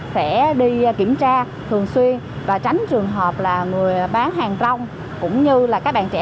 sẽ đi kiểm tra thường xuyên và tránh trường hợp là người bán hàng rong cũng như là các bạn trẻ